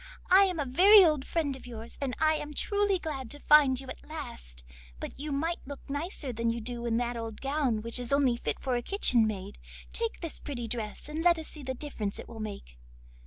I am a very old friend of yours, and I am truly glad to find you at last; but you might look nicer than you do in that old gown, which is only fit for a kitchen maid. Take this pretty dress and let us see the difference it will make.